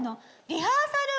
リハーサル？